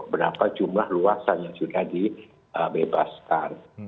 berapa jumlah luasan yang sudah dibebaskan